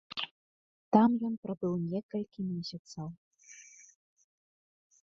Там ён прабыў некалькі месяцаў.